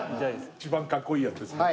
一番かっこいいやつですね。